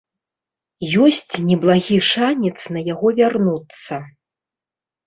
Ёсць неблагі шанец на яго вярнуцца.